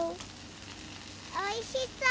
おいしそう！